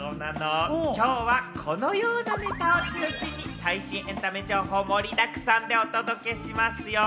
今日はこのようなネタを中心に最新エンタメ情報、盛りだくさんでお届けしますよ。